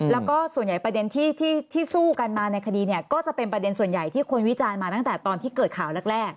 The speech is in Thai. แล้วก็ส่วนใหญ่ประเด็นที่สู้กันมาในคดีเนี่ยก็จะเป็นประเด็นส่วนใหญ่ที่คนวิจารณ์มาตั้งแต่ตอนที่เกิดข่าวแรก